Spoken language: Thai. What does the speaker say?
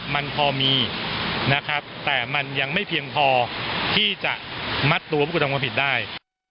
มันพอมีนะครับแต่มันยังไม่เพียงพอที่จะมัดตัวผู้กระทำความผิดได้